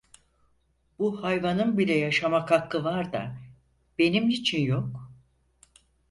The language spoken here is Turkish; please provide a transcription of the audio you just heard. Bu hayvanın bile yaşamak hakkı var da benim niçin yok?